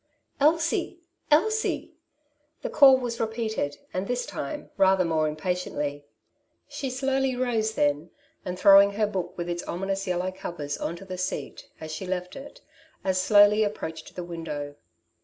^^ Elsie ! Elsie !'^ The call was repeated, and this time rather more impatiently. She slowly rose then, and throwing her book with its ominous yellow covers on to the seat, as she left it, as slowly approached the window.